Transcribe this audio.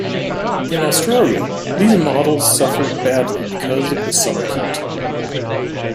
In Australia, these models suffered badly because of the summer heat.